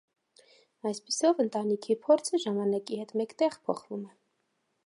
Այսպիսով, ընտանիքի փորձը ժամանակի հետ մեկտեղ փոխվում է։